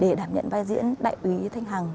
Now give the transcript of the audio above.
để đảm nhận vai diễn đại úy thanh hằng